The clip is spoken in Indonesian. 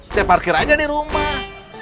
saya parkir aja di rumah